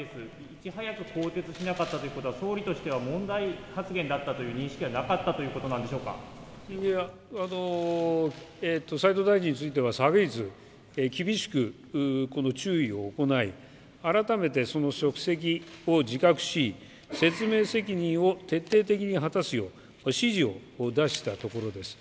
いち早く更迭しなかったということは、総理としては、問題発言だったという認識はなかったということないや、齋藤大臣については昨日、厳しく、この注意を行い、改めてその職責を自覚し、説明責任を徹底的に果たすよう、指示を出したところです。